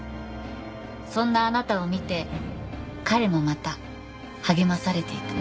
そんなあなたを見て彼もまた励まされていた。